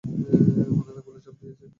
উনার আঙুলের ছাপও নিয়েছি।